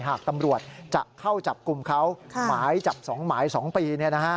หากตำรวจจะเข้าจับกลุ่มเขาหมายจับ๒หมาย๒ปี